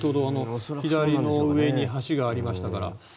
左の上に橋がありましたから。